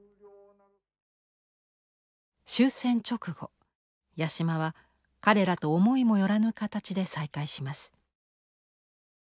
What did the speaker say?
終戦直後八島は彼らと思いもよらぬ形で再会します。